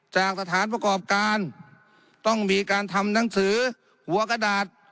จากสถานประกอบการต้องมีการทำหนังสือหัวกระดาษ